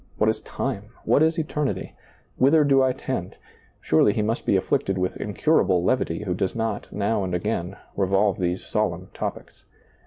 What is time? What is eternity ? Whither do I tend ? Surely he must be afflicted with incurable levity who does not, now and again, revolve these solemn topics.